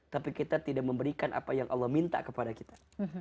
tapi kita tidak memberikan apa yang allah minta kepada kita